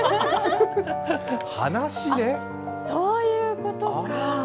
あ、そういうことか。